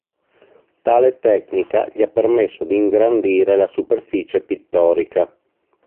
Tale tecnica gli ha permesso di ingrandire la superficie pittorica.